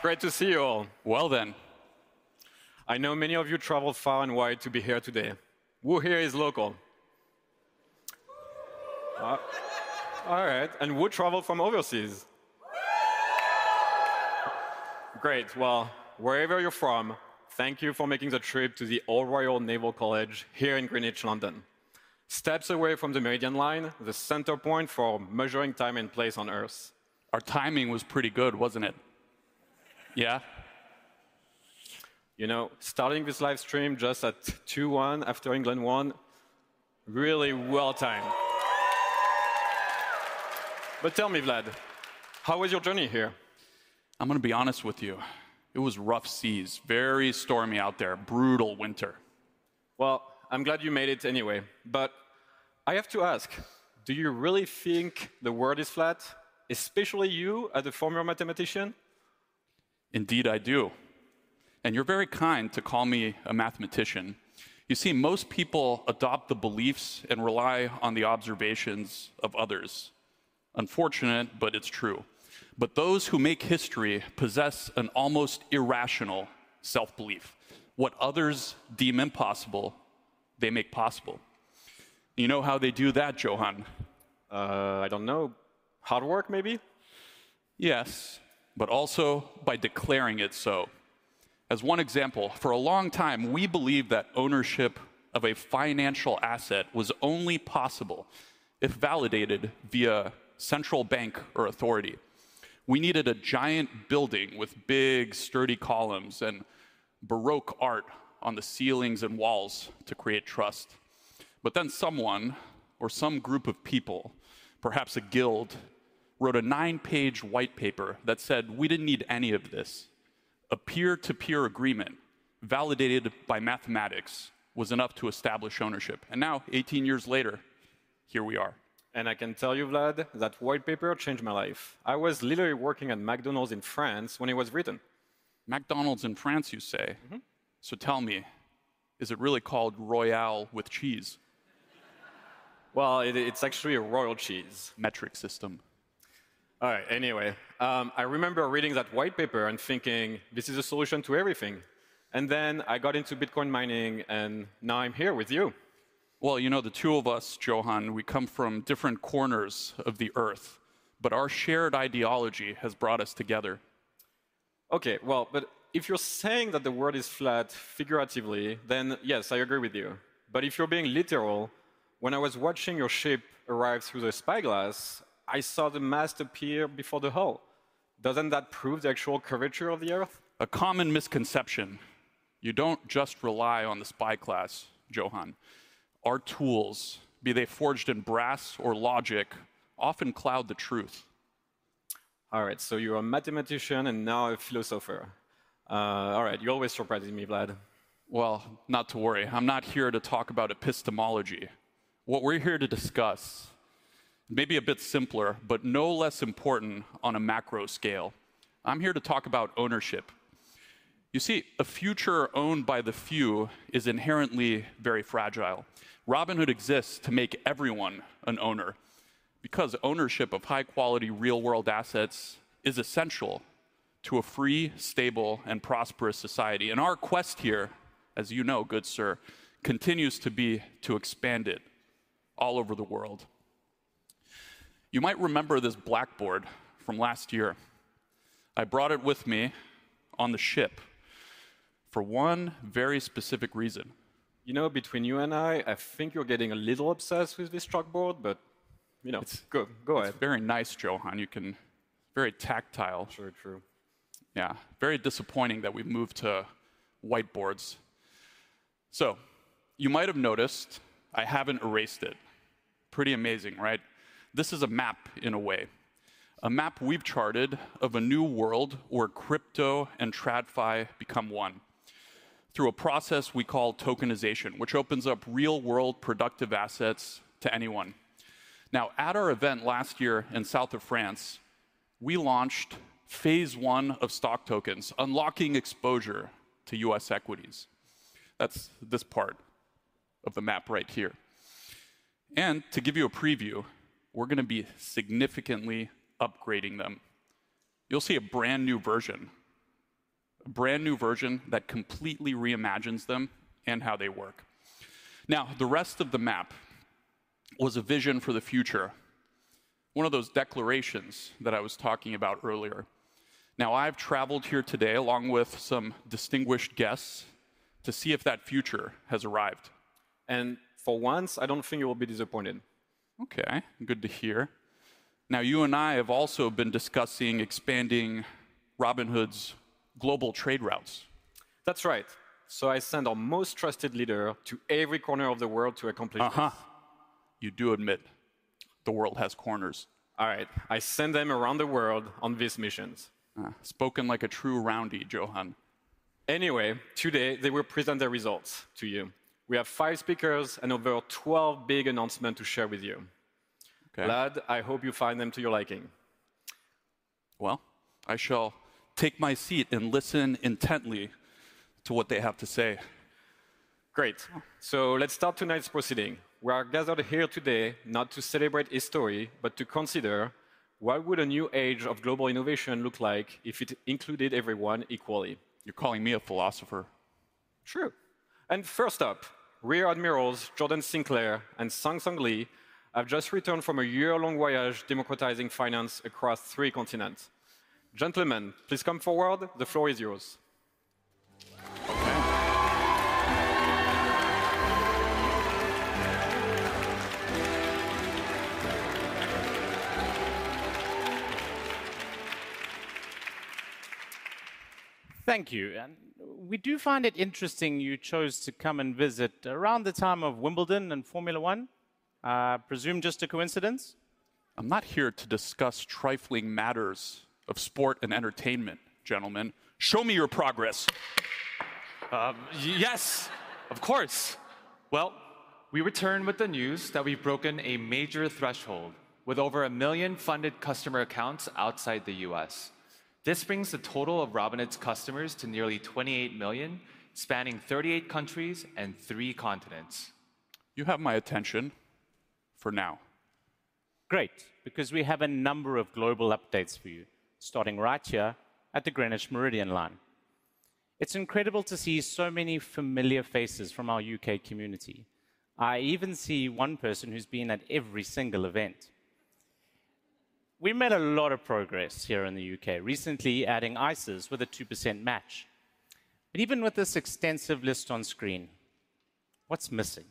Great to see you all. I know many of you traveled far and wide to be here today. Who here is local? All right. Who traveled from overseas? Great. Well, wherever you're from, thank you for making the trip to the Old Royal Naval College here in Greenwich, London. Steps away from the Meridian Line, the center point for measuring time and place on Earth. Our timing was pretty good, wasn't it? Yeah. Starting this live stream just at 2:01 after England won, really well timed. Tell me, Vlad, how was your journey here? I'm going to be honest with you. It was rough seas. Very stormy out there. Brutal winter. I'm glad you made it anyway. I have to ask, do you really think the world is flat? Especially you, as a former mathematician? Indeed, I do. You're very kind to call me a mathematician. You see, most people adopt the beliefs and rely on the observations of others. Unfortunate, but it's true. Those who make history possess an almost irrational self-belief. What others deem impossible, they make possible. You know how they do that, Johann? I don't know. Hard work, maybe? Yes. Also by declaring it so. As one example, for a long time, we believed that ownership of a financial asset was only possible if validated via central bank or authority. We needed a giant building with big, sturdy columns and baroque art on the ceilings and walls to create trust. Someone, or some group of people, perhaps a guild, wrote a nine-page white paper that said we didn't need any of this. A peer-to-peer agreement validated by mathematics was enough to establish ownership. 18 years later, here we are. I can tell you, Vlad, that white paper changed my life. I was literally working at McDonald's in France when it was written. McDonald's in France, you say? Tell me, is it really called Royale with Cheese? Well, it's actually a Royal Cheese. Metric system. All right. I remember reading that white paper and thinking, "This is a solution to everything." I got into Bitcoin mining, and now I'm here with you. Well, the two of us, Johann, we come from different corners of the Earth, our shared ideology has brought us together. Okay. Well, if you're saying that the world is flat figuratively, yes, I agree with you. If you're being literal, when I was watching your ship arrive through the spyglass, I saw the mast appear before the hull. Doesn't that prove the actual curvature of the Earth? A common misconception. You don't just rely on the spyglass, Johann. Our tools, be they forged in brass or logic, often cloud the truth. All right, you're a mathematician and now a philosopher. All right. You're always surprising me, Vlad. Well, not to worry. I'm not here to talk about epistemology. What we're here to discuss may be a bit simpler, but no less important on a macro scale. I'm here to talk about ownership. You see, a future owned by the few is inherently very fragile. Robinhood exists to make everyone an owner, because ownership of high-quality, real-world assets is essential to a free, stable, and prosperous society. Our quest here, as you know, good sir, continues to be to expand it all over the world. You might remember this blackboard from last year. I brought it with me on the ship for one very specific reason. Between you and I think you're getting a little obsessed with this chalkboard, go ahead. It's very nice, Johann. It's very tactile. Sure, true. Yeah. Very disappointing that we've moved to whiteboards. You might have noticed I haven't erased it. Pretty amazing, right? This is a map, in a way, a map we've charted of a new world where crypto and TradFi become one through a process we call tokenization, which opens up real-world productive assets to anyone. At our event last year in the south of France, we launched phase one of Stock Tokens, unlocking exposure to U.S. equities. That's this part of the map right here. To give you a preview, we're going to be significantly upgrading them. You'll see a brand-new version. A brand-new version that completely reimagines them and how they work. The rest of the map was a vision for the future. One of those declarations that I was talking about earlier. I've traveled here today, along with some distinguished guests, to see if that future has arrived. For once, I don't think you will be disappointed. Okay. Good to hear. You and I have also been discussing expanding Robinhood's global trade routes. That's right. I sent our most trusted leader to every corner of the world to accomplish this. Aha. You do admit the world has corners. All right. I sent them around the world on these missions. Spoken like a true Roundie, Johann. Today, they will present their results to you. We have five speakers and over 12 big announcements to share with you. Okay. Vlad, I hope you find them to your liking. Well, I shall take my seat and listen intently to what they have to say. Great. Let's start tonight's proceeding. We are gathered here today not to celebrate a story, but to consider what would a new age of global innovation look like if it included everyone equally? You're calling me a philosopher. True. First up, Rear Admirals Jordan Sinclair and Seong Lee have just returned from a year-long voyage democratizing finance across three continents. Gentlemen, please come forward. The floor is yours. Thank you. We do find it interesting you chose to come and visit around the time of Wimbledon and Formula One. I presume just a coincidence? I'm not here to discuss trifling matters of sport and entertainment, gentlemen. Show me your progress. Yes, of course. Well, we return with the news that we've broken a major threshold with over 1 million funded customer accounts outside the U.S. This brings the total of Robinhood's customers to nearly 28 million, spanning 38 countries and three continents. You have my attention for now. Great. We have a number of global updates for you, starting right here at the Greenwich Meridian line. It's incredible to see so many familiar faces from our U.K. community. I even see one person who's been at every single event. We made a lot of progress here in the U.K., recently adding ISAs with a 2% match. Even with this extensive list on screen, what's missing?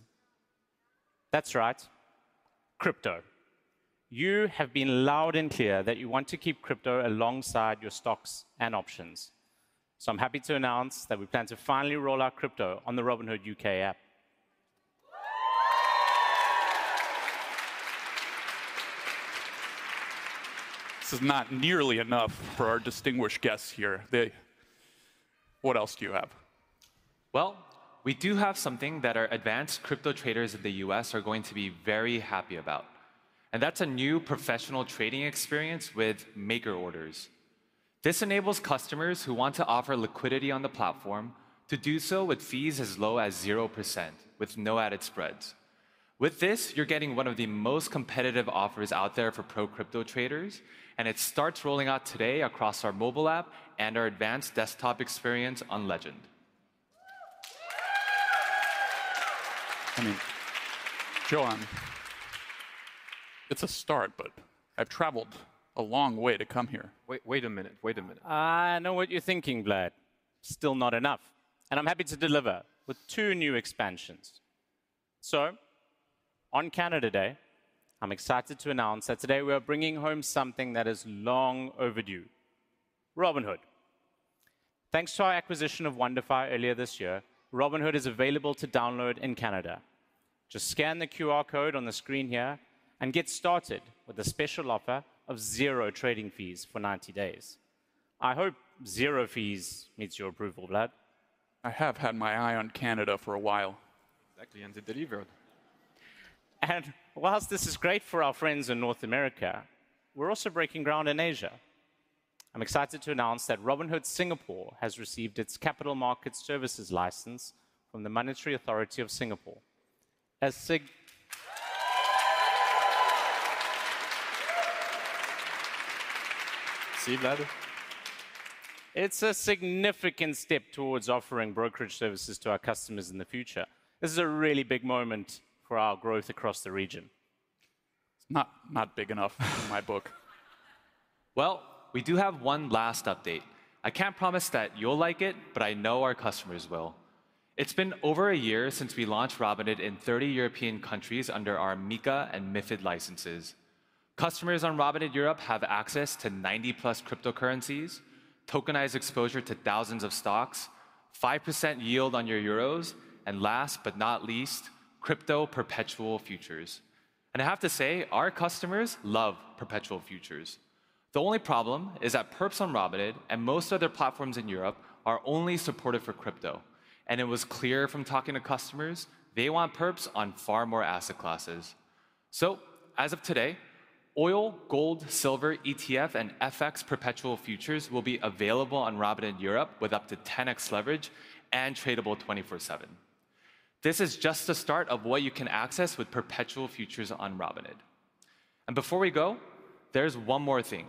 That's right, crypto. You have been loud and clear that you want to keep crypto alongside your stocks and options. I'm happy to announce that we plan to finally roll out crypto on the Robinhood U.K. app. This is not nearly enough for our distinguished guests here. What else do you have? Well, we do have something that our advanced crypto traders in the U.S. are going to be very happy about. That's a new professional trading experience with maker orders. This enables customers who want to offer liquidity on the platform to do so with fees as low as 0%, with no added spreads. With this, you're getting one of the most competitive offers out there for pro crypto traders. It starts rolling out today across our mobile app and our advanced desktop experience on Legend. I mean, Johann. It's a start, but I've traveled a long way to come here. Wait a minute. I know what you're thinking, Vlad. Still not enough. I'm happy to deliver with two new expansions. On Canada Day, I'm excited to announce that today we are bringing home something that is long overdue, Robinhood. Thanks to our acquisition of WonderFi earlier this year, Robinhood is available to download in Canada. Just scan the QR code on the screen here and get started with a special offer of zero trading fees for 90 days. I hope zero fees meets your approval, Vlad. I have had my eye on Canada for a while. Exactly, they delivered. While this is great for our friends in North America, we're also breaking ground in Asia. I'm excited to announce that Robinhood Singapore has received its Capital Markets Services license from the Monetary Authority of Singapore. See Vlad? T's a significant step towards offering brokerage services to our customers in the future. This is a really big moment for our growth across the region. It's not big enough in my book. Well, we do have one last update. I can't promise that you'll like it, but I know our customers will. It's been over a year since we launched Robinhood in 30 European countries under our MiCA and MiFID licenses. Customers on Robinhood Europe have access to 90+ cryptocurrencies, tokenized exposure to thousands of stocks, 5% yield on your euros, and last but not least, crypto perpetual futures. I have to say, our customers love perpetual futures. The only problem is that perps on Robinhood and most other platforms in Europe are only supported for crypto. It was clear from talking to customers, they want perps on far more asset classes. As of today, oil, gold, silver, ETF, and FX perpetual futures will be available on Robinhood Europe with up to 10x leverage and tradable 24/7. This is just the start of what you can access with perpetual futures on Robinhood. Before we go, there's one more thing.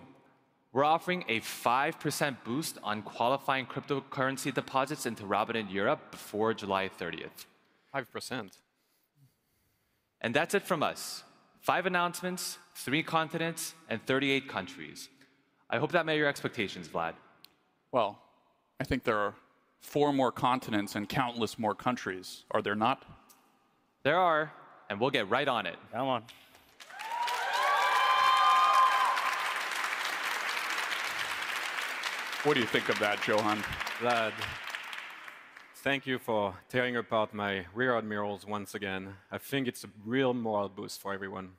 We're offering a 5% boost on qualifying cryptocurrency deposits into Robinhood Europe before July 30th. 5%. That's it from us. Five announcements, three continents, and 38 countries. I hope that met your expectations, Vlad. Well, I think there are four more continents and countless more countries. Are there not? There are, and we'll get right on it. Come on. What do you think of that, Johann? Vlad, thank you for tearing apart my Rear Admirals once again. I think it's a real morale boost for everyone.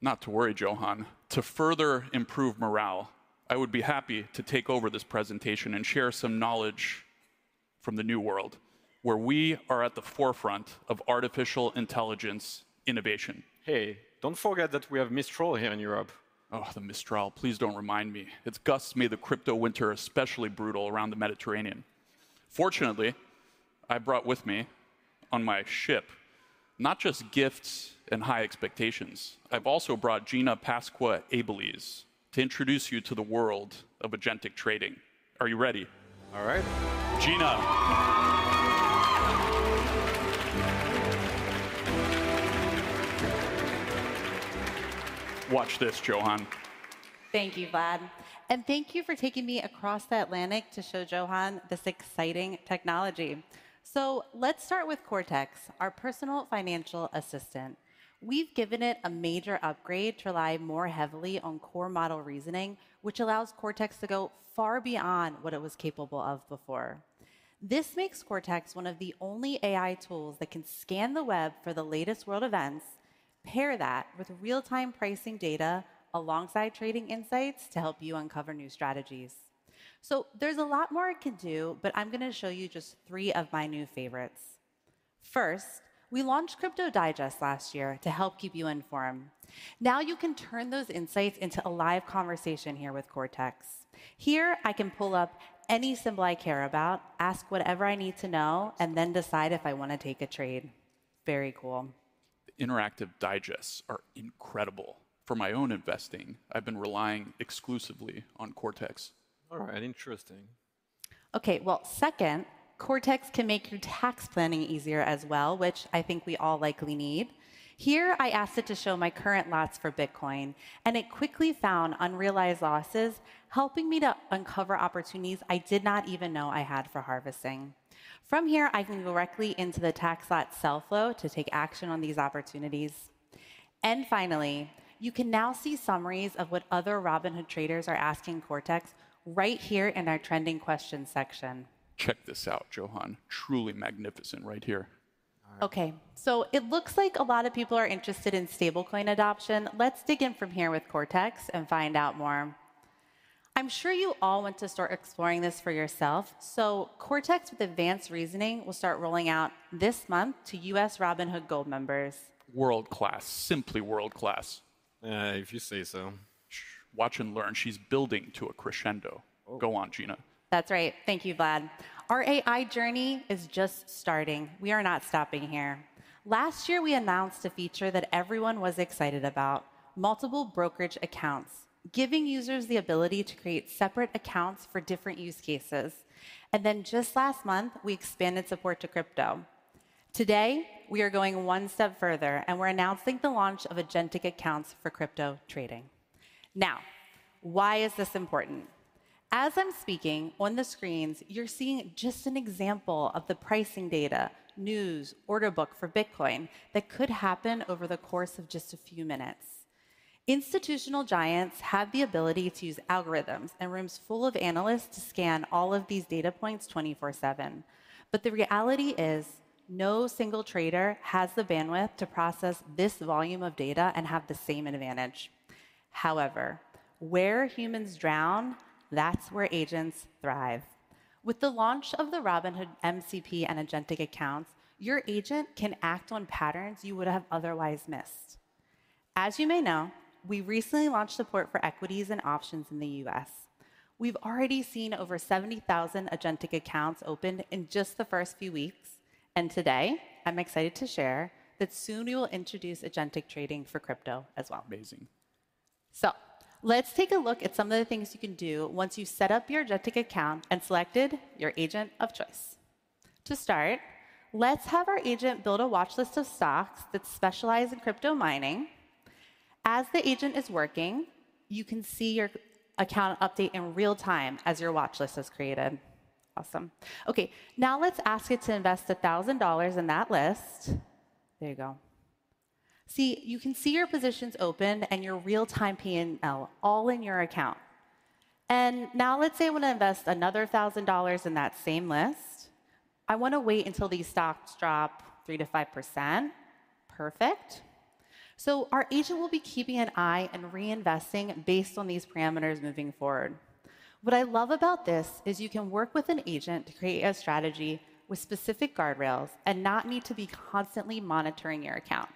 Not to worry, Johann. To further improve morale, I would be happy to take over this presentation and share some knowledge from the new world, where we are at the forefront of artificial intelligence innovation. Hey, don't forget that we have Mistral here in Europe. Oh, the Mistral. Please don't remind me. Its gusts made the crypto winter especially brutal around the Mediterranean. Fortunately I brought with me on my ship not just gifts and high expectations. I've also brought Gina Pasqua-Abeles to introduce you to the world of agentic trading. Are you ready? All right. Gina. Watch this, Johann. Thank you, Vlad. Thank you for taking me across the Atlantic to show Johann this exciting technology. Let's start with Cortex, our personal financial assistant. We've given it a major upgrade to rely more heavily on core model reasoning, which allows Cortex to go far beyond what it was capable of before. This makes Cortex one of the only AI tools that can scan the web for the latest world events, pair that with real-time pricing data alongside trading insights to help you uncover new strategies. There's a lot more it can do, but I'm going to show you just three of my new favorites. First, we launched Cortex Digests last year to help keep you informed. Now you can turn those insights into a live conversation here with Cortex. Here, I can pull up any symbol I care about, ask whatever I need to know, and then decide if I want to take a trade. Very cool. Interactive digests are incredible. For my own investing, I've been relying exclusively on Cortex. All right. Interesting. Okay. Well, second, Cortex can make your tax planning easier as well, which I think we all likely need. Here, I asked it to show my current lots for Bitcoin, and it quickly found unrealized losses, helping me to uncover opportunities I did not even know I had for harvesting. From here, I can go directly into the tax lot sell flow to take action on these opportunities. Finally, you can now see summaries of what other Robinhood traders are asking Cortex right here in our trending question section. Check this out, Johann. Truly magnificent right here. All right. Okay, it looks like a lot of people are interested in stablecoin adoption. Let's dig in from here with Cortex and find out more. I'm sure you all want to start exploring this for yourself, Cortex with advanced reasoning will start rolling out this month to U.S. Robinhood Gold members. World-class. Simply world-class. Yeah. If you say so. Shh. Watch and learn. She's building to a crescendo. Oh. Go on, Gina. That's right. Thank you, Vlad. Our AI journey is just starting. We are not stopping here. Last year, we announced a feature that everyone was excited about, multiple brokerage accounts, giving users the ability to create separate accounts for different use cases. Just last month, we expanded support to crypto. Today, we are going one step further, and we're announcing the launch of agentic accounts for crypto trading. Why is this important? As I'm speaking, on the screens, you're seeing just an example of the pricing data, news, order book for Bitcoin that could happen over the course of just a few minutes. Institutional giants have the ability to use algorithms and rooms full of analysts to scan all of these data points 24/7. The reality is, no single trader has the bandwidth to process this volume of data and have the same advantage. Where humans drown, that's where agents thrive. With the launch of the Robinhood MCP and Agentic Accounts, your agent can act on patterns you would have otherwise missed. As you may know, we recently launched support for equities and options in the U.S. We've already seen over 70,000 Agentic Accounts open in just the first few weeks, today I'm excited to share that soon we will introduce agentic trading for crypto as well. Amazing. Let's take a look at some of the things you can do once you've set up your Agentic Account and selected your agent of choice. To start, let's have our agent build a watchlist of stocks that specialize in crypto mining. As the agent is working, you can see your account update in real-time as your watchlist is created. Awesome. Okay, now let's ask it to invest $1,000 in that list. There you go. See, you can see your positions open and your real-time PNL all in your account. Now let's say I want to invest another $1,000 in that same list. I want to wait until these stocks drop 3%-5%. Perfect. Our agent will be keeping an eye and reinvesting based on these parameters moving forward. What I love about this is you can work with an agent to create a strategy with specific guardrails and not need to be constantly monitoring your account.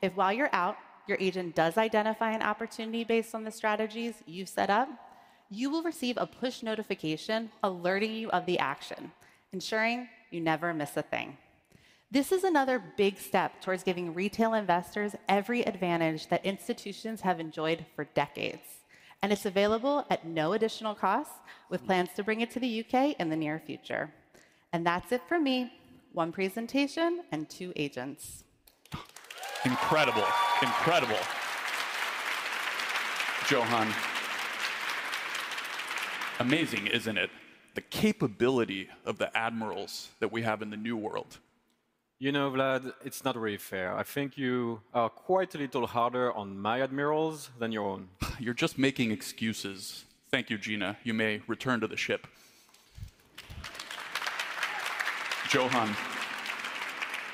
If while you're out, your agent does identify an opportunity based on the strategies you've set up, you will receive a push notification alerting you of the action, ensuring you never miss a thing. This is another big step towards giving retail investors every advantage that institutions have enjoyed for decades, it's available at no additional cost with plans to bring it to the U.K. in the near future. That's it for me. One presentation and two agents. Incredible. Incredible. Johann, amazing, isn't it? The capability of the admirals that we have in the new world. You know, Vlad, it's not really fair. I think you are quite a little harder on my admirals than your own. You're just making excuses. Thank you, Gina. You may return to the ship.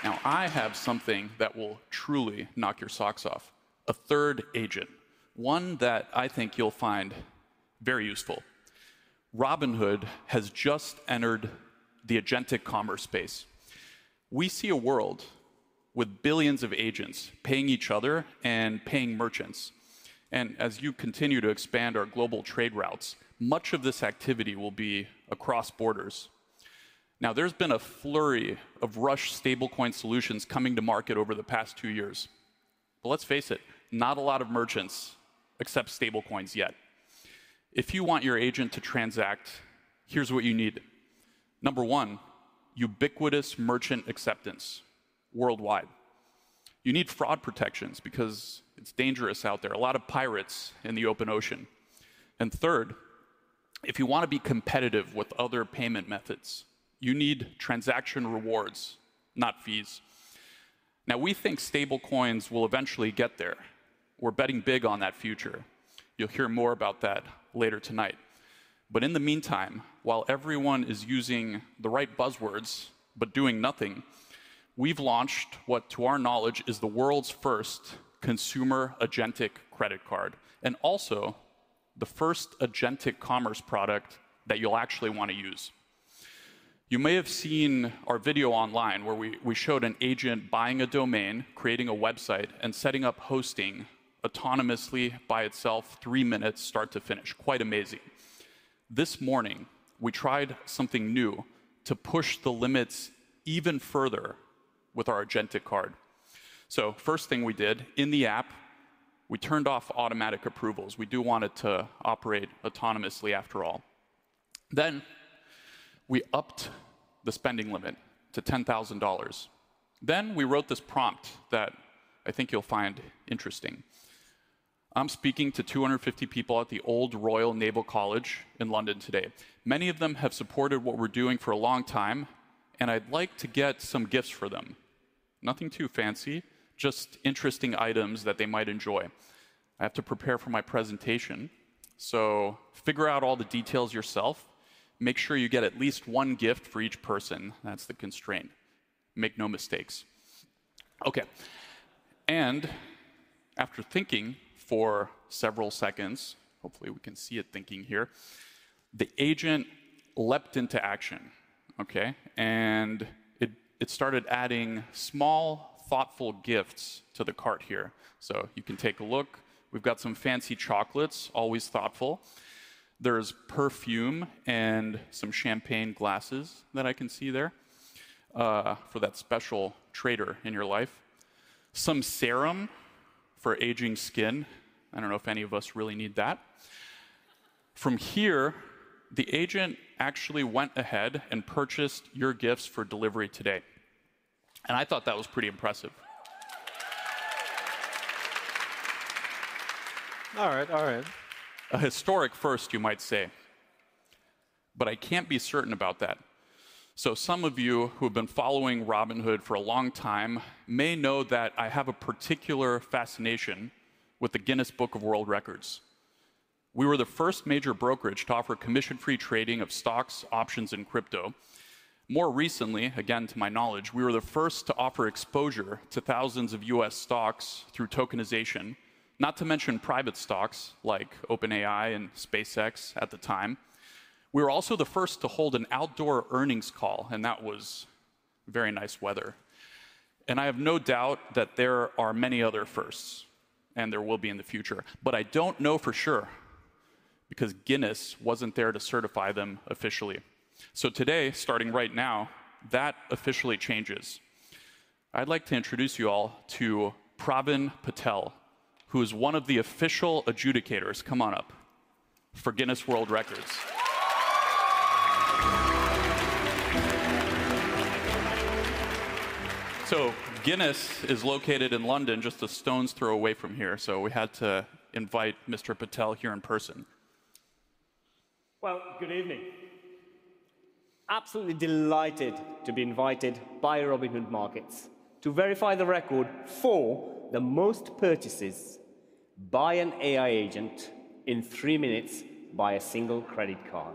Johann, I have something that will truly knock your socks off, a third agent, one that I think you'll find very useful. Robinhood has just entered the agentic commerce space. We see a world with billions of agents paying each other and paying merchants. As you continue to expand our global trade routes, much of this activity will be across borders. There's been a flurry of rushed stablecoin solutions coming to market over the past two years. Let's face it, not a lot of merchants accept stablecoins yet. If you want your agent to transact, here's what you need. Number 1, ubiquitous merchant acceptance worldwide. You need fraud protections because it's dangerous out there. A lot of pirates in the open ocean. Third, if you want to be competitive with other payment methods, you need transaction rewards, not fees. We think stablecoins will eventually get there. We're betting big on that future. You'll hear more about that later tonight. In the meantime, while everyone is using the right buzzwords but doing nothing, we've launched what to our knowledge is the world's first consumer Agentic Credit Card, and also the first agentic commerce product that you'll actually want to use. You may have seen our video online where we showed an agent buying a domain, creating a website, and setting up hosting autonomously by itself, three minutes start to finish. Quite amazing. This morning, we tried something new to push the limits even further with our agentic card. First thing we did, in the app, we turned off automatic approvals. We do want it to operate autonomously after all. We upped the spending limit to $10,000. We wrote this prompt that I think you'll find interesting. "I'm speaking to 250 people at the Old Royal Naval College in London today. Many of them have supported what we're doing for a long time, and I'd like to get some gifts for them. Nothing too fancy, just interesting items that they might enjoy. I have to prepare for my presentation, so figure out all the details yourself. Make sure you get at least one gift for each person." That's the constraint. "Make no mistakes." Okay. After thinking for several seconds, hopefully we can see it thinking here, the agent leapt into action. Okay. It started adding small, thoughtful gifts to the cart here. You can take a look. We've got some fancy chocolates. Always thoughtful. There's perfume and some champagne glasses that I can see there, for that special trader in your life. Some serum for aging skin. I don't know if any of us really need that. From here, the agent actually went ahead and purchased your gifts for delivery today. I thought that was pretty impressive. All right. A historic first, you might say. I can't be certain about that. Some of you who have been following Robinhood for a long time may know that I have a particular fascination with the Guinness World Records. We were the first major brokerage to offer commission-free trading of stocks, options, and crypto. More recently, again, to my knowledge, we were the first to offer exposure to thousands of U.S. stocks through tokenization. Not to mention private stocks like OpenAI and SpaceX at the time. We were also the first to hold an outdoor earnings call. That was very nice weather. I have no doubt that there are many other firsts, and there will be in the future. I don't know for sure because Guinness wasn't there to certify them officially. Today, starting right now, that officially changes. I'd like to introduce you all to Pravin Patel, who is one of the official adjudicators, come on up, for Guinness World Records. Guinness is located in London, just a stone's throw away from here. We had to invite Mr. Patel here in person. Good evening. Absolutely delighted to be invited by Robinhood Markets to verify the record for the most purchases by an AI agent in three minutes by a single credit card.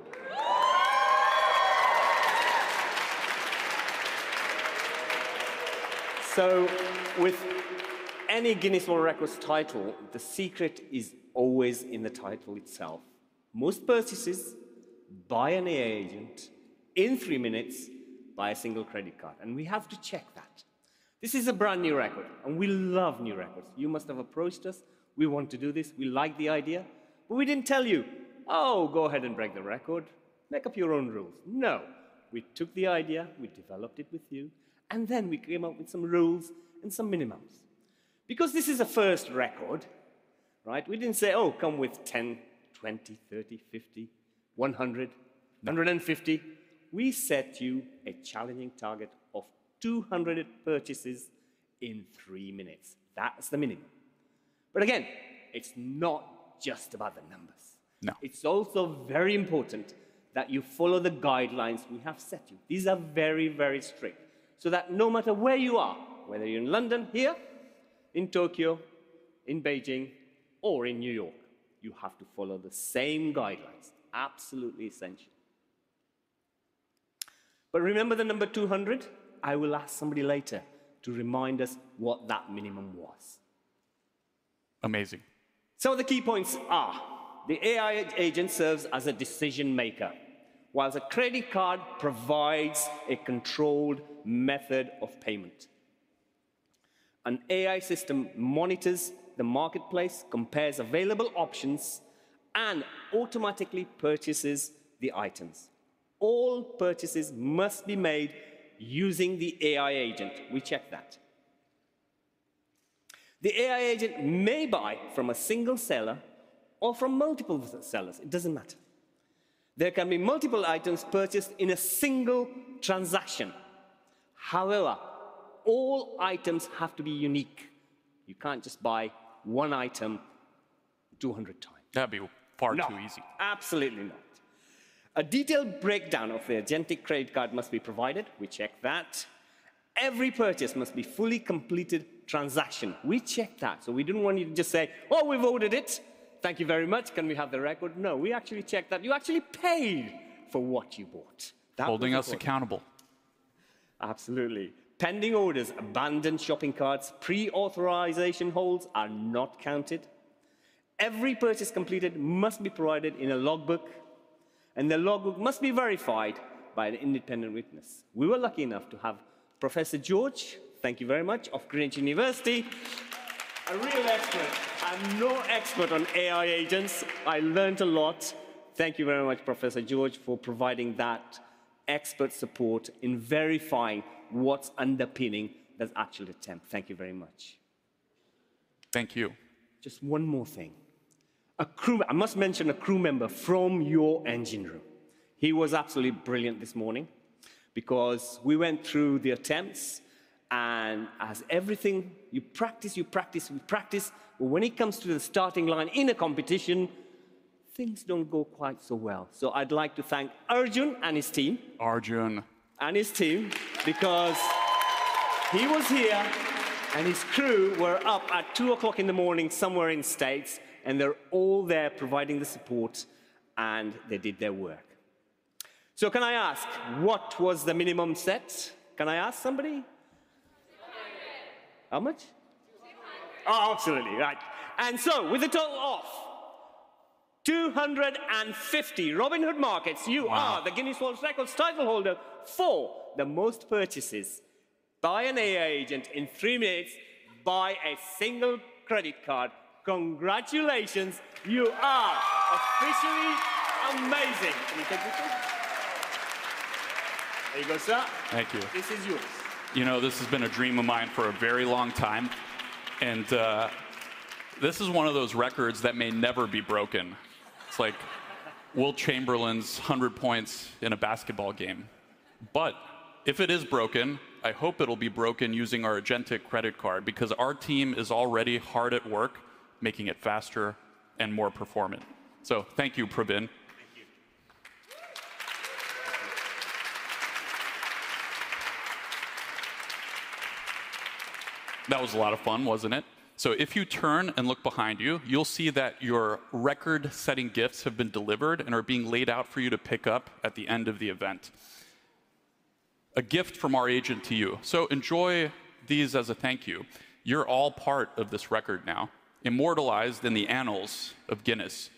With any Guinness World Records title, the secret is always in the title itself. Most purchases by an AI agent in three minutes by a single credit card, we have to check that. This is a brand-new record, and we love new records. You must have approached us. We want to do this. We like the idea. We didn't tell you, "Oh, go ahead and break the record. Make up your own rules." No, we took the idea, we developed it with you, and then we came up with some rules and some minimums. This is a first record, right? We didn't say, "Oh, come with 10, 20, 30, 50, 100, 150." We set you a challenging target of 200 purchases in three minutes. That's the minimum. Again, it's not just about the numbers. No. It's also very important that you follow the guidelines we have set you. These are very, very strict, so that no matter where you are, whether you're in London here, in Tokyo, in Beijing, or in New York, you have to follow the same guidelines. Absolutely essential. Remember the number 200? I will ask somebody later to remind us what that minimum was. Amazing. The key points are, the AI agent serves as a decision maker, while a credit card provides a controlled method of payment. An AI system monitors the marketplace, compares available options, and automatically purchases the items. All purchases must be made using the AI agent. We checked that. The AI agent may buy from a single seller or from multiple sellers. It doesn't matter. There can be multiple items purchased in a single transaction. However, all items have to be unique. You can't just buy one item 200 times. That'd be far too easy. No. Absolutely not. A detailed breakdown of the Agentic Credit Card must be provided. We checked that. Every purchase must be fully completed transaction. We checked that. We didn't want you to just say, "Oh, we've ordered it. Thank you very much. Can we have the record?" No, we actually checked that you actually paid for what you bought. That was important. Holding us accountable. Absolutely. Pending orders, abandoned shopping carts, pre-authorization holds are not counted. Every purchase completed must be provided in a logbook, and the logbook must be verified by an independent witness. We were lucky enough to have Professor George, thank you very much, of Greenwich University, a real expert. I'm no expert on AI agents. I learned a lot. Thank you very much, Professor George, for providing that expert support in verifying what's underpinning this actual attempt. Thank you very much. Thank you. Just one more thing. I must mention a crew member from your engine room. He was absolutely brilliant this morning because we went through the attempts, as everything, you practice, we practice, but when it comes to the starting line in a competition, things don't go quite so well. I'd like to thank Arjun and his team. Arjun. His team, because he was here and his crew were up at 2:00 A.M. somewhere in the U.S., and they're all there providing the support, and they did their work. Can I ask, what was the minimum set? Can I ask somebody? 200. How much? 200. Oh, absolutely, right. With a total of 250, Robinhood Markets- Wow you are the Guinness World Records title holder for the most purchases by an AI agent in three minutes by a single credit card. Congratulations. You are officially amazing. Let me take a picture. There you go, sir. Thank you. This is yours. You know, this has been a dream of mine for a very long time, and this is one of those records that may never be broken. It's like Wilt Chamberlain's 100 points in a basketball game. If it is broken, I hope it'll be broken using our Agentic Credit Card because our team is already hard at work making it faster and more performant. Thank you, Pravin. Thank you. That was a lot of fun, wasn't it? If you turn and look behind you'll see that your record-setting gifts have been delivered and are being laid out for you to pick up at the end of the event. A gift from our agent to you. Enjoy these as a thank you. You're all part of this record now, immortalized in the annals of Guinness.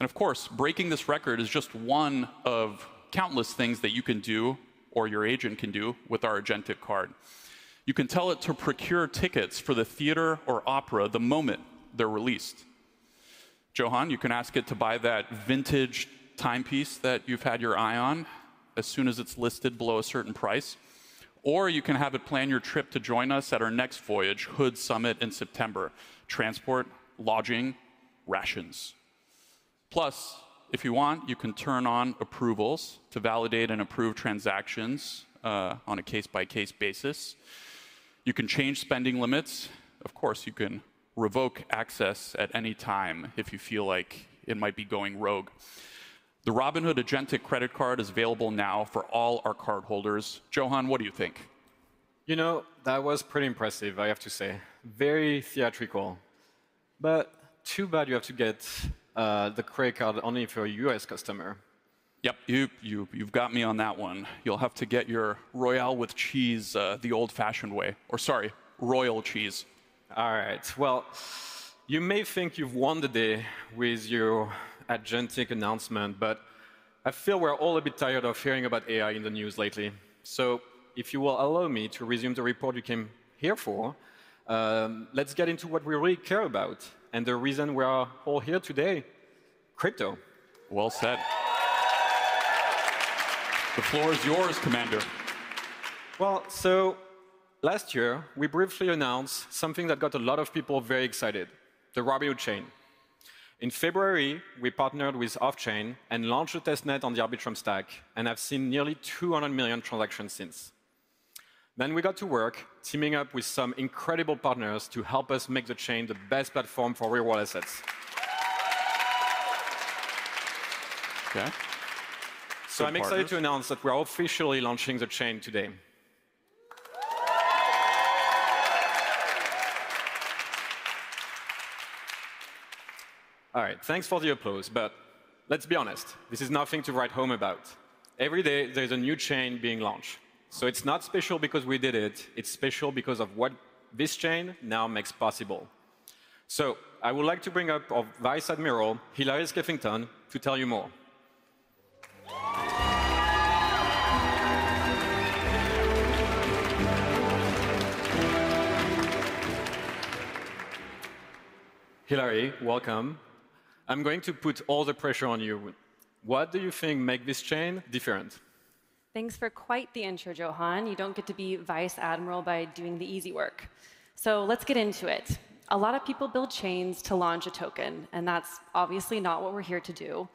Of course, breaking this record is just one of countless things that you can do or your agent can do with our Agentic card. You can tell it to procure tickets for the theater or opera the moment they're released. Johann, you can ask it to buy that vintage timepiece that you've had your eye on as soon as it's listed below a certain price, or you can have it plan your trip to join us at our next Robinhood Summit in September, transport, lodging, rations. If you want, you can turn on approvals to validate and approve transactions on a case-by-case basis. You can change spending limits. You can revoke access at any time if you feel like it might be going rogue. The Robinhood Agentic Credit Card is available now for all our cardholders. Johann, what do you think? You know, that was pretty impressive, I have to say. Very theatrical. Too bad you have to get the credit card only if you're a U.S. customer. Yep. You've got me on that one. You'll have to get your Royale with Cheese the old-fashioned way. Sorry, Royal Cheese. All right. Well, you may think you've won the day with your agentic announcement, I feel we're all a bit tired of hearing about AI in the news lately. If you will allow me to resume the report you came here for, let's get into what we really care about and the reason we are all here today, crypto. Well said. The floor is yours, Commander. Well, last year, we briefly announced something that got a lot of people very excited, the Robinhood Chain. In February, we partnered with Offchain and launched a testnet on the Arbitrum stack and have seen nearly 200 million transactions since. We got to work teaming up with some incredible partners to help us make the chain the best platform for real-world assets. Okay. Partners. I'm excited to announce that we're officially launching the chain today. All right. Thanks for the applause. Let's be honest, this is nothing to write home about. Every day there's a new chain being launched. It's not special because we did it. It's special because of what this chain now makes possible. I would like to bring up our Vice Admiral, Hillary Skeffington, to tell you more. Hillary, welcome. I'm going to put all the pressure on you. What do you think makes this chain different? Thanks for quite the intro, Johann. You don't get to be Vice Admiral by doing the easy work. Let's get into it. A lot of people build chains to launch a token. That's obviously not what we're here to do.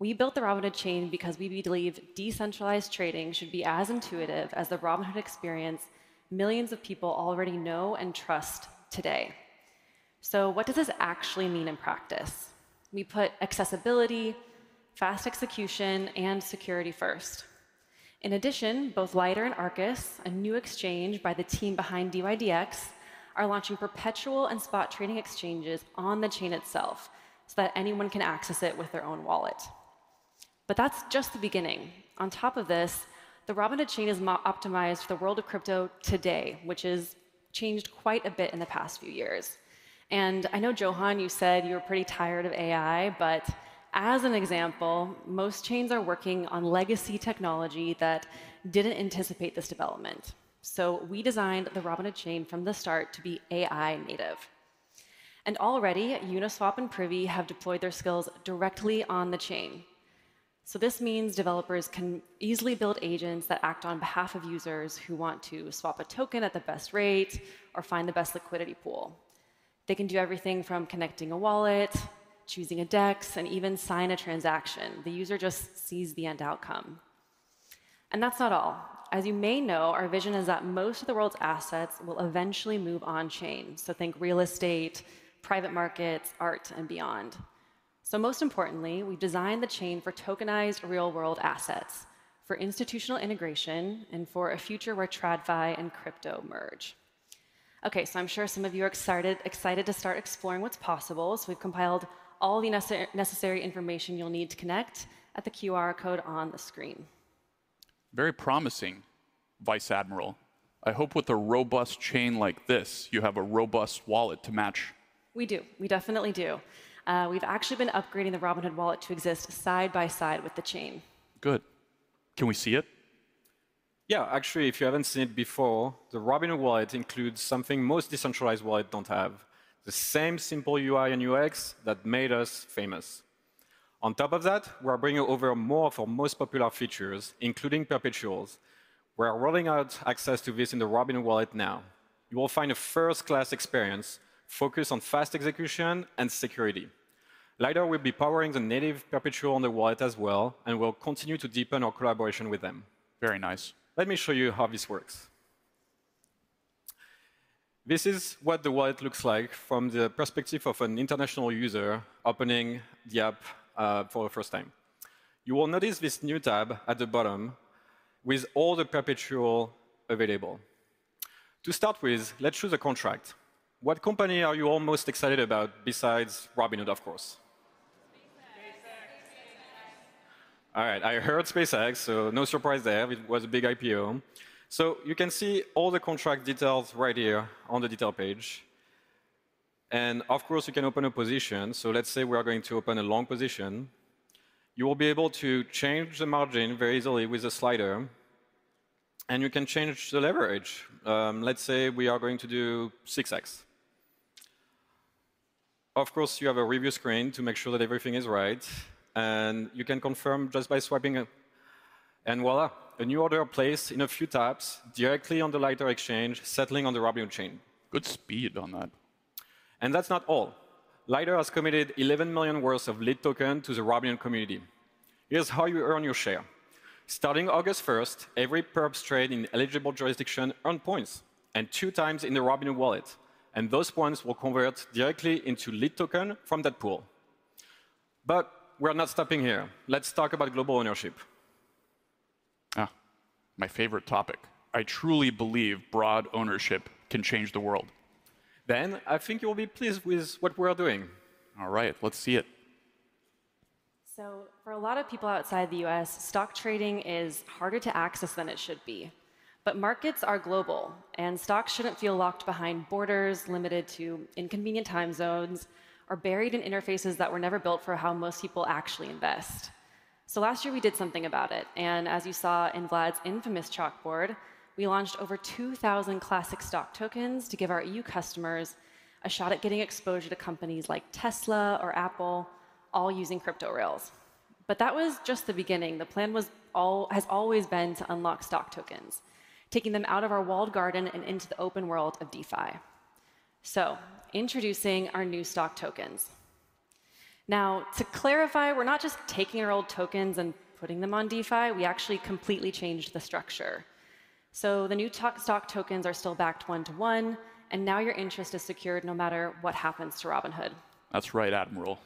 We built the Robinhood Chain because we believe decentralized trading should be as intuitive as the Robinhood experience millions of people already know and trust today. What does this actually mean in practice? We put accessibility, fast execution, and security first. In addition, both Lido and Arkus, a new exchange by the team behind dYdX, are launching perpetual and spot trading exchanges on the chain itself so that anyone can access it with their own wallet. That's just the beginning. On top of this, the Robinhood Chain is optimized for the world of crypto today, which has changed quite a bit in the past few years. I know, Johann, you said you're pretty tired of AI. As an example, most chains are working on legacy technology that didn't anticipate this development. We designed the Robinhood Chain from the start to be AI native. Already, Uniswap and Privy have deployed their skills directly on the chain. This means developers can easily build agents that act on behalf of users who want to swap a token at the best rate or find the best liquidity pool. They can do everything from connecting a wallet, choosing a DEX, and even sign a transaction. The user just sees the end outcome. That's not all. As you may know, our vision is that most of the world's assets will eventually move on-chain. Think real estate, private markets, art, and beyond. Most importantly, we've designed the chain for tokenized real-world assets, for institutional integration, and for a future where TradFi and crypto merge. I'm sure some of you are excited to start exploring what's possible. We've compiled all the necessary information you'll need to connect at the QR code on the screen. Very promising, Vice Admiral. I hope with a robust chain like this, you have a robust wallet to match. We do. We definitely do. We've actually been upgrading the Robinhood Wallet to exist side by side with the chain. Good. Can we see it? Actually, if you haven't seen it before, the Robinhood Wallet includes something most decentralized wallets don't have. The same simple UI and UX that made us famous. On top of that, we're bringing over more of our most popular features, including perpetuals. We're rolling out access to this in the Robinhood Wallet now. You will find a first-class experience focused on fast execution and security. Lido will be powering the native perpetual on the wallet as well, and we'll continue to deepen our collaboration with them. Very nice. Let me show you how this works. This is what the wallet looks like from the perspective of an international user opening the app for the first time. You will notice this new tab at the bottom with all the perpetual available. To start with, let's choose a contract. What company are you all most excited about besides Robinhood, of course? SpaceX. Right. I heard SpaceX, no surprise there. It was a big IPO. You can see all the contract details right here on the detail page. Of course, you can open a position. Let's say we are going to open a long position. You will be able to change the margin very easily with the slider, you can change the leverage. Let's say we are going to do 6X. Of course, you have a review screen to make sure that everything is right, and you can confirm just by swiping up. Voila, a new order placed in a few taps directly on the Lido exchange, settling on the Robinhood Chain. Good speed on that. That's not all. Lido has committed $11 million worth of LIDO token to the Robinhood community. Here's how you earn your share. Starting August 1st, every perp trade in eligible jurisdictions earn points, and two times in the Robinhood Wallet, and those points will convert directly into LIDO token from that pool. We're not stopping here. Let's talk about global ownership. My favorite topic. I truly believe broad ownership can change the world. I think you will be pleased with what we are doing. All right, let's see it. For a lot of people outside the U.S., stock trading is harder to access than it should be. Markets are global, and stocks shouldn't feel locked behind borders, limited to inconvenient time zones, or buried in interfaces that were never built for how most people actually invest. Last year, we did something about it, and as you saw in Vlad's infamous chalkboard, we launched over 2,000 classic Stock Tokens to give our EU customers a shot at getting exposure to companies like Tesla or Apple, all using crypto rails. That was just the beginning. The plan has always been to unlock Stock Tokens, taking them out of our walled garden and into the open world of DeFi. Introducing our new Stock Tokens. Now, to clarify, we're not just taking our old tokens and putting them on DeFi. We actually completely changed the structure. The new Stock Tokens are still backed one to one, and now your interest is secured no matter what happens to Robinhood. That's right, Admiral.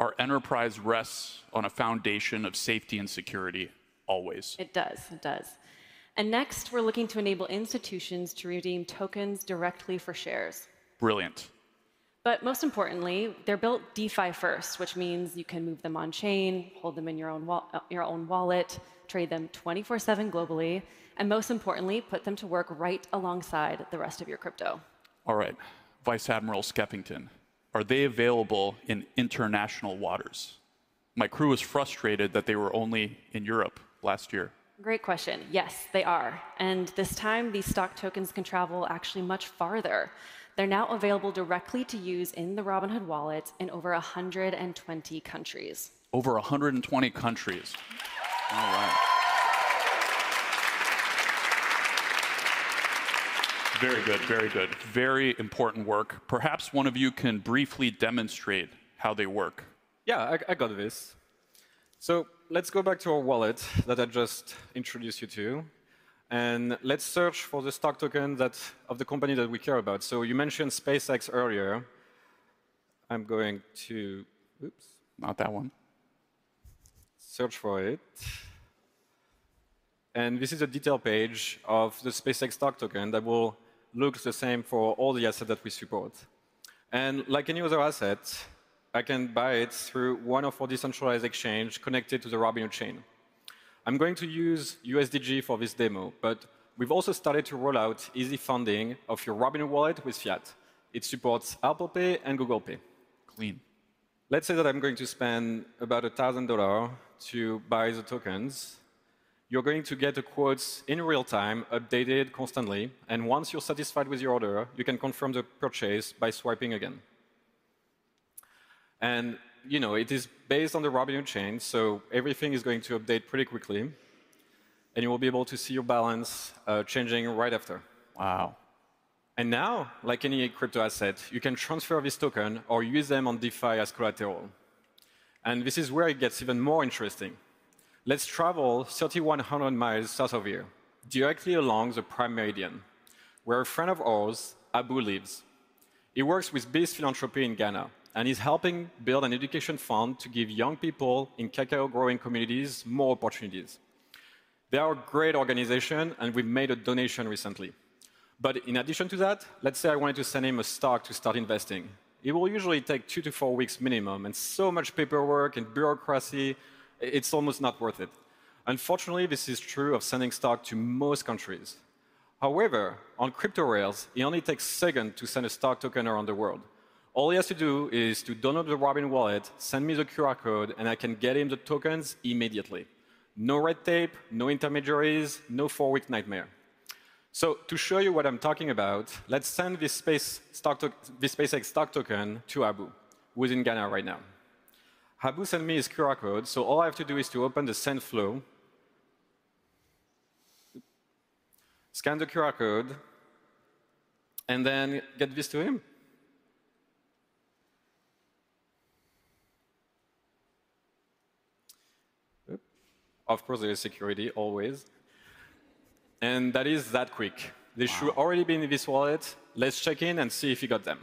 Our enterprise rests on a foundation of safety and security. Always It does. Next, we're looking to enable institutions to redeem tokens directly for shares. Brilliant. Most importantly, they're built DeFi first, which means you can move them on-chain, hold them in your own wallet, trade them 24/7 globally, and most importantly, put them to work right alongside the rest of your crypto. All right. Vice Admiral Skeffington, are they available in international waters? My crew was frustrated that they were only in Europe last year. Great question. Yes, they are. This time, these Stock Tokens can travel actually much farther. They're now available directly to use in the Robinhood Wallet in over 120 countries. Over 120 countries. All right. Very good. Very important work. Perhaps one of you can briefly demonstrate how they work. Yeah, I got this. Let's go back to our wallet that I just introduced you to. Let's search for the stock token of the company that we care about. You mentioned SpaceX earlier. Oops, not that one. search for it. This is a detail page of the SpaceX stock token that will look the same for all the assets that we support. Like any other asset, I can buy it through one of our decentralized exchange connected to the Robinhood Chain. I'm going to use USDG for this demo, but we've also started to roll out easy funding of your Robinhood Wallet with fiat. It supports Apple Pay and Google Pay. Clean. Let's say that I'm going to spend about $1,000 to buy the tokens. You're going to get the quotes in real time, updated constantly, and once you're satisfied with your order, you can confirm the purchase by swiping again. It is based on the Robinhood Chain, everything is going to update pretty quickly, and you will be able to see your balance changing right after. Wow. Now, like any crypto asset, you can transfer this token or use them on DeFi as collateral. This is where it gets even more interesting. Let's travel 3,100 miles south of here, directly along the Prime Meridian, where a friend of ours, Abu, lives. He works with Beast Philanthropy in Ghana, he's helping build an education fund to give young people in cacao-growing communities more opportunities. They are a great organization, we made a donation recently. In addition to that, let's say I wanted to send him a Stock Token to start investing. It will usually take two to four weeks minimum, so much paperwork and bureaucracy, it's almost not worth it. Unfortunately, this is true of sending stock to most countries. On crypto rails, it only takes a second to send a Stock Token around the world. All he has to do is to download the Robinhood Wallet, send me the QR code, I can get him the tokens immediately. No red tape, no intermediaries, no four-week nightmare. To show you what I'm talking about, let's send this SpaceX Stock Token to Abu, who is in Ghana right now. Abu sent me his QR code, all I have to do is to open the send flow, scan the QR code, then get this to him. Of course, there is security, always. That is that quick. Wow. They should already be in his wallet. Let's check in and see if he got them.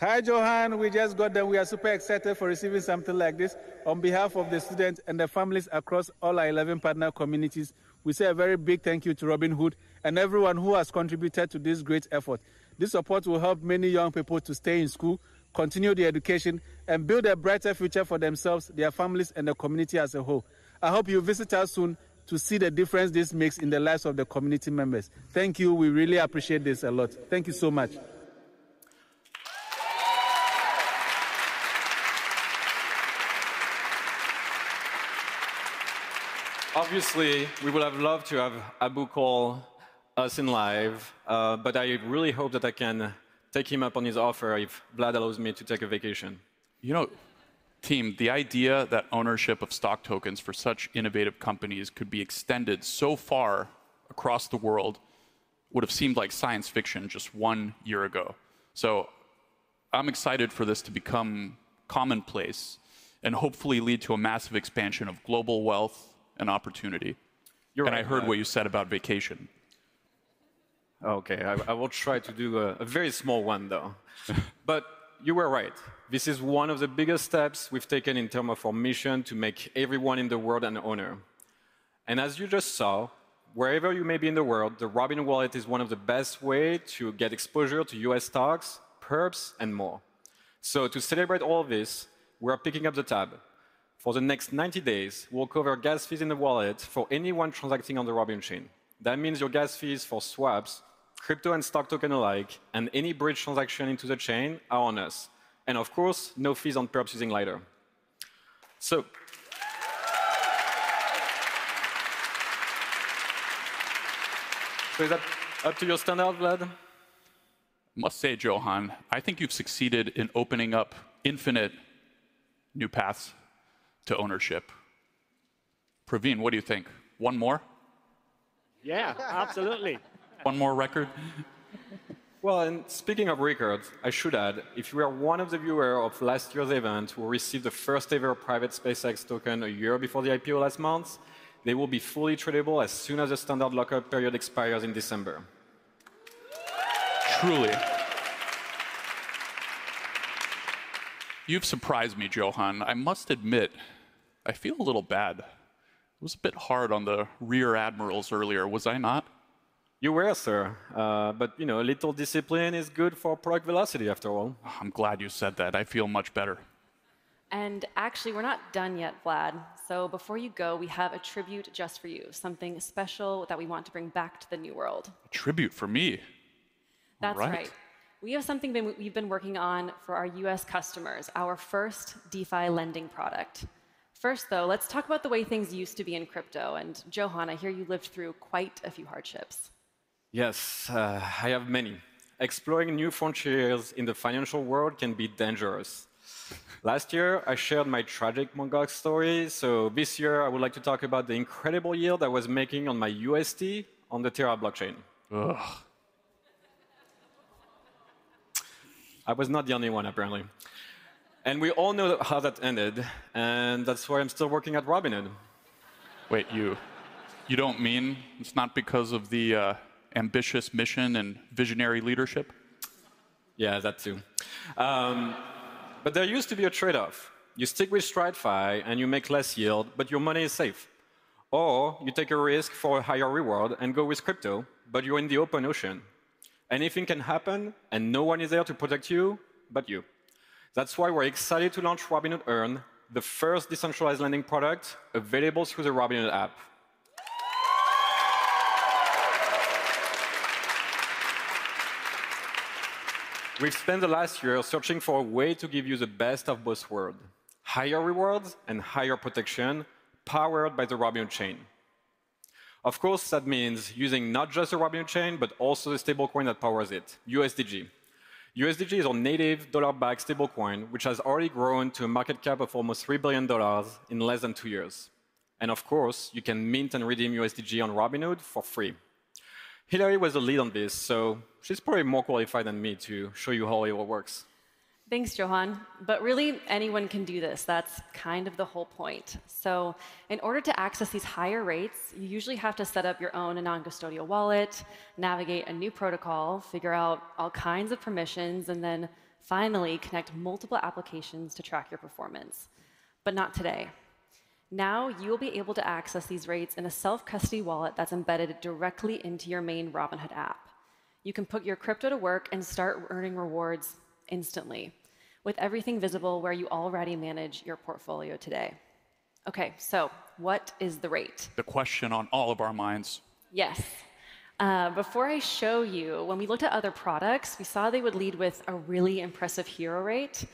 Hi, Johann. We just got them. We are super excited for receiving something like this. On behalf of the students and their families across all our 11 partner communities, we say a very big thank you to Robinhood and everyone who has contributed to this great effort. This support will help many young people to stay in school, continue their education, and build a brighter future for themselves, their families, and the community as a whole. I hope you visit us soon to see the difference this makes in the lives of the community members. Thank you. We really appreciate this a lot. Thank you so much. Obviously, we would have loved to have Abu call us in live, I really hope that I can take him up on his offer if Vlad allows me to take a vacation. Team, the idea that ownership of stock tokens for such innovative companies could be extended so far across the world would've seemed like science fiction just one year ago. I'm excited for this to become commonplace and hopefully lead to a massive expansion of global wealth and opportunity. You're- I heard what you said about vacation. Okay. I will try to do a very small one, though. You are right. This is one of the biggest steps we've taken in terms of our mission to make everyone in the world an owner. As you just saw, wherever you may be in the world, the Robinhood Wallet is one of the best way to get exposure to U.S. stocks, perps, and more. To celebrate all this, we're picking up the tab. For the next 90 days, we'll cover gas fees in the wallet for anyone transacting on the Robinhood Chain. That means your gas fees for swaps, crypto and Stock Token alike, and any bridge transaction into the chain are on us. Of course, no fees on perps using Ladder. Is that up to your standard, Vlad? I must say, Johann, I think you've succeeded in opening up infinite new paths to ownership. Pravin, what do you think? One more? Yeah, absolutely. One more record? Speaking of records, I should add, if you are one of the viewers of last year's event who received the first-ever private SpaceX token a year before the IPO last month, they will be fully tradable as soon as the standard lock-up period expires in December. Truly. You've surprised me, Johann. I must admit, I feel a little bad. I was a bit hard on the rear admirals earlier, was I not? You were, sir. A little discipline is good for product velocity, after all. I'm glad you said that. I feel much better. Actually, we're not done yet, Vlad. Before you go, we have a tribute just for you, something special that we want to bring back to the new world. A tribute for me? All right. That's right. We have something we've been working on for our U.S. customers, our first DeFi lending product. First, though, let's talk about the way things used to be in crypto. Johann, I hear you lived through quite a few hardships. Yes. I have many. Exploring new frontiers in the financial world can be dangerous. Last year, I shared my tragic Mt. Gox story. This year I would like to talk about the incredible yield I was making on my UST on the Terra blockchain. Ugh. I was not the only one, apparently. We all know how that ended, and that's why I'm still working at Robinhood. Wait, you don't mean it's not because of the ambitious mission and visionary leadership? Yeah, that too. There used to be a trade-off. You stick with TradFi and you make less yield, but your money is safe. You take a risk for a higher reward and go with crypto, but you're in the open ocean. Anything can happen, and no one is there to protect you but you. That's why we're excited to launch Robinhood Earn, the first decentralized lending product available through the Robinhood app. We've spent the last year searching for a way to give you the best of both world, higher rewards and higher protection, powered by the Robinhood Chain. Of course, that means using not just the Robinhood Chain, but also the stablecoin that powers it, USDG. USDG is our native dollar-backed stablecoin, which has already grown to a market cap of almost $3 billion in less than two years. Of course, you can mint and redeem USDG on Robinhood for free. Hillary was the lead on this, so she's probably more qualified than me to show you how it all works. Thanks, Johann. Really, anyone can do this. That's kind of the whole point. In order to access these higher rates, you usually have to set up your own non-custodial wallet, navigate a new protocol, figure out all kinds of permissions, and then finally connect multiple applications to track your performance. Not today. Now, you'll be able to access these rates in a self-custody wallet that's embedded directly into your main Robinhood app. You can put your crypto to work and start earning rewards instantly with everything visible where you already manage your portfolio today. Okay, what is the rate? The question on all of our minds. Yes. Before I show you, when we looked at other products, we saw they would lead with a really impressive hero rate.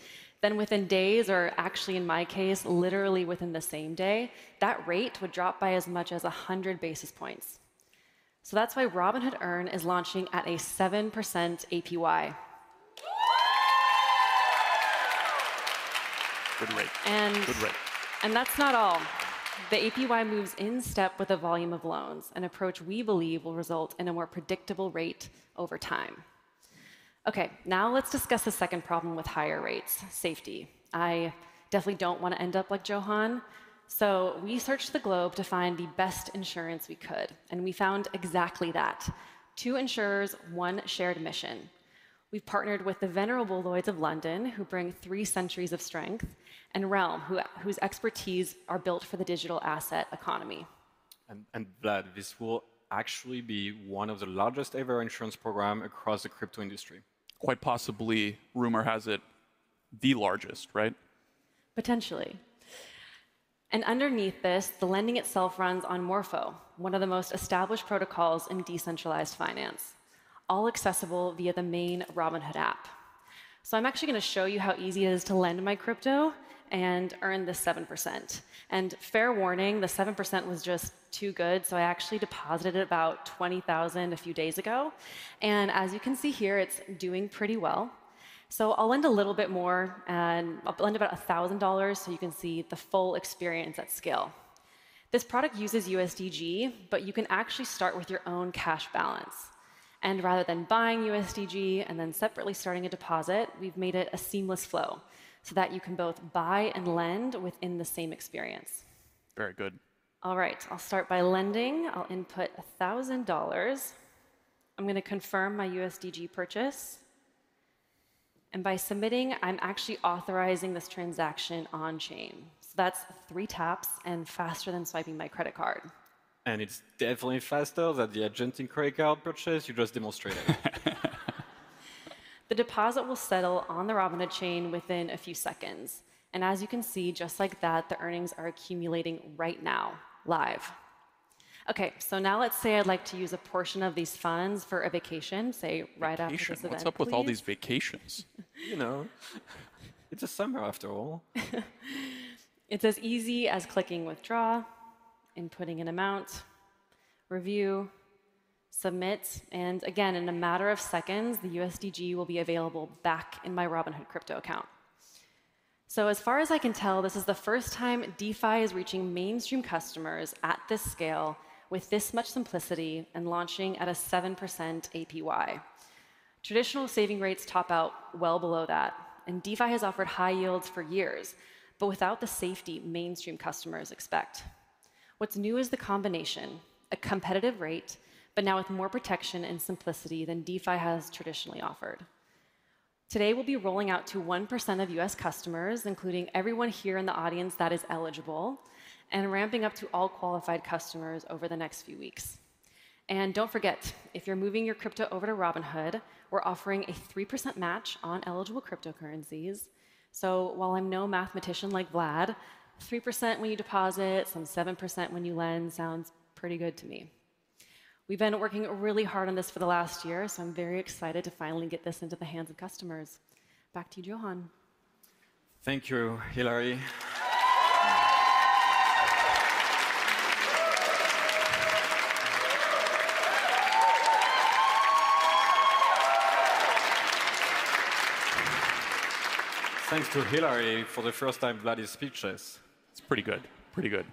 Within days, or actually in my case, literally within the same day, that rate would drop by as much as 100 basis points. That's why Robinhood Earn is launching at a 7% APY. Good rate. That's not all. The APY moves in step with the volume of loans, an approach we believe will result in a more predictable rate over time. Now let's discuss the second problem with higher rates, safety. I definitely don't want to end up like Johann. We searched the globe to find the best insurance we could, and we found exactly that. Two insurers, one shared mission. We've partnered with the venerable Lloyd's of London, who bring three centuries of strength, and Relm, whose expertise are built for the digital asset economy. Vlad, this will actually be one of the largest ever insurance program across the crypto industry. Quite possibly, rumor has it, the largest, right? Potentially. Underneath this, the lending itself runs on Morpho, one of the most established protocols in decentralized finance, all accessible via the main Robinhood app. I'm actually going to show you how easy it is to lend my crypto and earn the 7%. Fair warning, the 7% was just too good, so I actually deposited about $20,000 a few days ago. As you can see here, it's doing pretty well. I'll lend a little bit more, and I'll lend about $1,000 so you can see the full experience at scale. This product uses USDG, but you can actually start with your own cash balance. Rather than buying USDG and then separately starting a deposit, we've made it a seamless flow, so that you can both buy and lend within the same experience. Very good. All right. I'll start by lending. I'll input $1,000. I'm going to confirm my USDG purchase. By submitting, I'm actually authorizing this transaction on chain. That's three taps, and faster than swiping my credit card. It's definitely faster than the agentic credit card purchase you just demonstrated. The deposit will settle on the Robinhood Chain within a few seconds. As you can see, just like that, the earnings are accumulating right now, live. Now let's say I'd like to use a portion of these funds for a vacation, say right after this, hopefully. Vacation. What's up with all these vacations? It's the summer, after all. It's as easy as clicking withdraw, inputting an amount, review, submit, again, in a matter of seconds, the USDG will be available back in my Robinhood crypto account. As far as I can tell, this is the first time DeFi is reaching mainstream customers at this scale with this much simplicity and launching at a 7% APY. Traditional saving rates top out well below that, and DeFi has offered high yields for years, but without the safety mainstream customers expect. What's new is the combination, a competitive rate, but now with more protection and simplicity than DeFi has traditionally offered. Today, we'll be rolling out to 1% of U.S. customers, including everyone here in the audience that is eligible, and ramping up to all qualified customers over the next few weeks. Don't forget, if you're moving your crypto over to Robinhood, we're offering a 3% match on eligible cryptocurrencies. While I'm no mathematician like Vlad, 3% when you deposit, some 7% when you lend sounds pretty good to me. We've been working really hard on this for the last year, I'm very excited to finally get this into the hands of customers. Back to you, Johann. Thank you, Hillary. Thanks to Hillary, for the first time, Vlad is speechless. It's pretty good. Pretty good.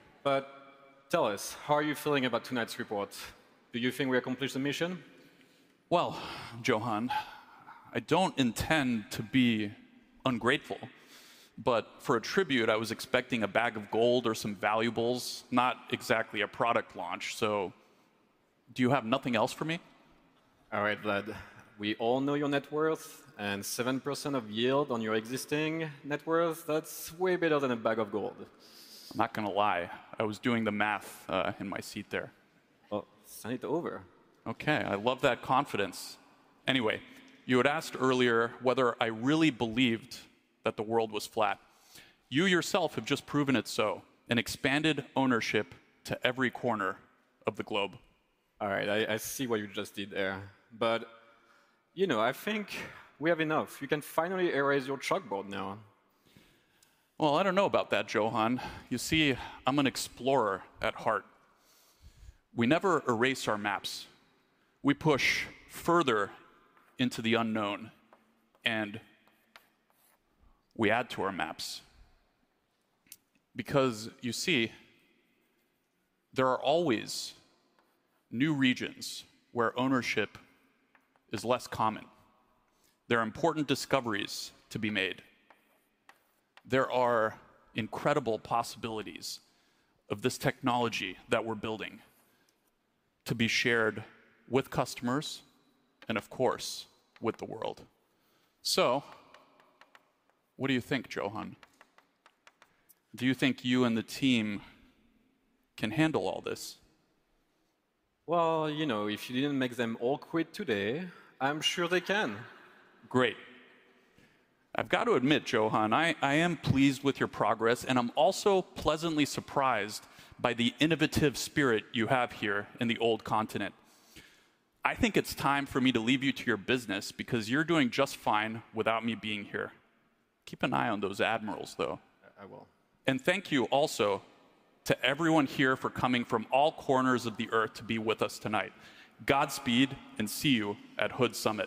Tell us, how are you feeling about tonight's report? Do you think we accomplished the mission? Well, Johann, I don't intend to be ungrateful, for a tribute, I was expecting a bag of gold or some valuables, not exactly a product launch. Do you have nothing else for me? All right, Vlad. We all know your net worth, and 7% of yield on your existing net worth, that's way better than a bag of gold. I'm not going to lie, I was doing the math in my seat there. Well, send it over. Okay. I love that confidence. Anyway, you had asked earlier whether I really believed that the world was flat. You yourself have just proven it so, and expanded ownership to every corner of the globe. All right. I see what you just did there. I think we have enough. You can finally erase your chalkboard now. Well, I don't know about that, Johann. You see, I'm an explorer at heart. We never erase our maps. We push further into the unknown, and we add to our maps. You see, there are always new regions where ownership is less common. There are important discoveries to be made. There are incredible possibilities of this technology that we're building to be shared with customers and, of course, with the world. What do you think, Johann? Do you think you and the team can handle all this? Well, if you didn't make them all quit today, I'm sure they can. Great. I've got to admit, Johann, I am pleased with your progress, and I'm also pleasantly surprised by the innovative spirit you have here in the Old Continent. I think it's time for me to leave you to your business because you're doing just fine without me being here. Keep an eye on those admirals, though. I will. Thank you also to everyone here for coming from all corners of the earth to be with us tonight. Godspeed, and see you at Hood Summit